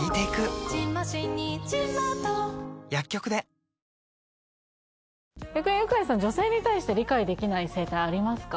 「氷結」逆にユカイさん女性に対して理解できない生態ありますか？